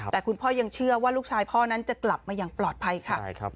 แต่คุณพ่อยังเชื่อว่าลูกชายพ่อนั้นจะกลับมาอย่างปลอดภัยค่ะ